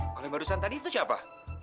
kalau yang barusan tadi itu siapa